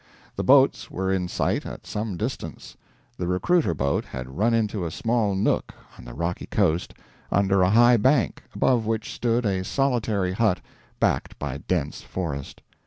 The boats were in sight at some distance. The recruiter boat had run into a small nook on the rocky coast, under a high bank, above which stood a solitary hut backed by dense forest.